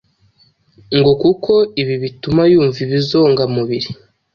ngo kuko ibi bituma yumva ibizongamubiri